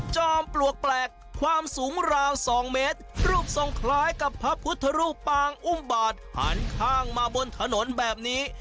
จอมปลวกแปลกความสูงราว๒เมตรรูปทรงคล้ายกับพระพุทธรูปปางอุ้มบาทหันข้างมาบนถนนแบบนี้